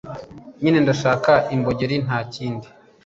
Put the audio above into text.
nyine ndashaka imbogeri nta kindi